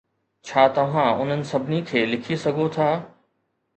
ڇا توهان انهن سڀني کي لکي سگهو ٿا؟